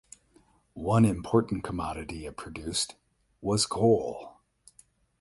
One important commodity it produced was coal.